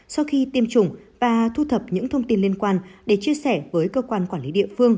sau khi tiêm chủng và thu thập những thông tin liên quan để chia sẻ với cơ quan quản lý địa phương